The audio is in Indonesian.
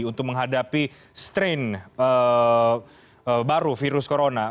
untuk menghadapi strain baru virus corona